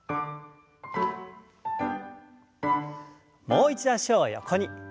もう一度脚を横に。